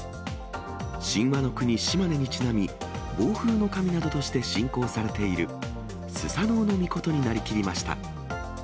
神話の国、島根にちなみ、暴風の神などとして信仰されている、スサノオノミコトになりきりました。